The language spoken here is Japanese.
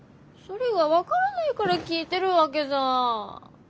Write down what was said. それが分からないから聞いてるわけさぁ。